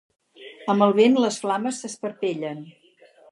Amb el vent, les flames s'esparpellen.